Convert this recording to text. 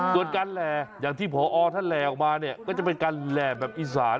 ส่วนการแหล่อย่างที่ผู้เรอออกมานี่ก็จะเป็นการแหล่แบบอิสาน